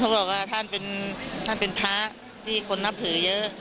บอกว่าท่านเป็นพระที่คนนับถือเยอะ